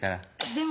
「でも」。